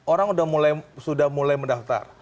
orang sudah mulai mendaftar